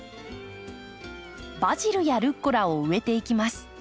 バジルやルッコラを植えていきます。